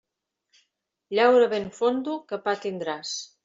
Llaura ben fondo que pa tindràs.